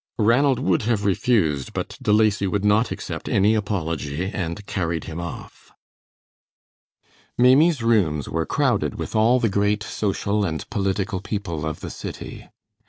Ranald would have refused, but De Lacy would not accept any apology, and carried him off. Maimie's rooms were crowded with all the great social and political people of the city.